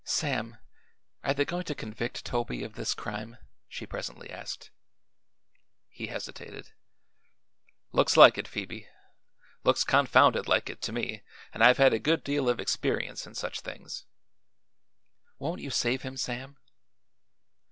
"Sam, are they going to convict Toby of this crime?" she presently asked. He hesitated. "Looks like it, Phoebe. Looks confounded like it, to me, and I've had a good deal of experience in such things." "Won't you save him, Sam?"